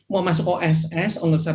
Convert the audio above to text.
mau masuk oss